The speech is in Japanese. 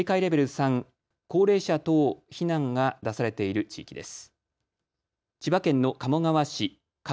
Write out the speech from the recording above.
３高齢者等避難が出されている地域です。